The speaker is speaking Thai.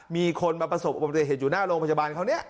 มีคนมาประสบอุบัติเหตุอยู่หน้าโรงพยาบาลเขาเนี่ย